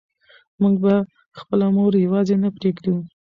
موږ به خپله مور یوازې نه پرېږدو.